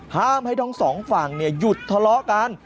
ห้ามให้ทั้งสองฝั่งหยุดทะเลาะกัน